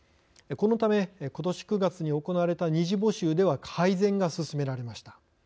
このためことし９月に行われた２次募集では改善が進められました。